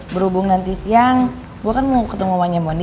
berhubung nanti siang gue kan mau ketemu wanya mwandi